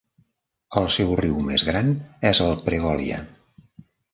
El seu riu més gran és el Pregolya.